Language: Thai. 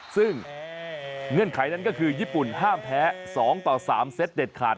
ซึ่งเงื่อนไขนั้นก็คือญี่ปุ่นห้ามแพ้๒ต่อ๓เซตเด็ดขาด